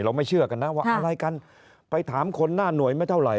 ไม่เชื่อกันนะว่าอะไรกันไปถามคนหน้าหน่วยไม่เท่าไห